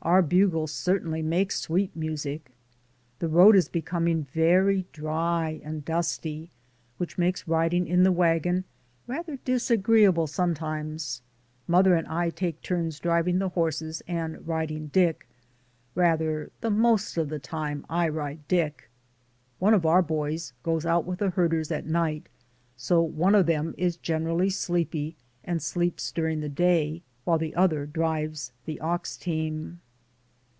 Our bugle certainly makes sweet music. The road is becoming very dry and dusty, which makes riding in the wagon rather disagreeable sometimes. Mother and I take turns driving the horses and riding Dick. Rather the most of the 78 DAYS ON THE ROAD. time I ride Dick. One of our boys goes out with the herders at night, so one of them is generally sleepy, and sleeps during the day, while the other drives the ox team.